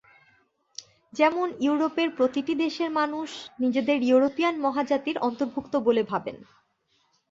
যেমন ইউরোপের প্রতিটি দেশের মানুষ নিজেদের ইউরোপিয়ান মহাজাতির অন্তর্ভুক্ত বলে ভাবেন।